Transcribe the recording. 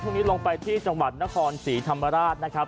ช่วงนี้ลงไปที่จังหวัดนครศรีธรรมราชนะครับ